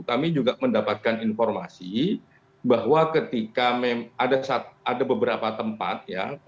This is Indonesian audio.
kami juga mendapatkan informasi bahwa ketika ada beberapa tempat ya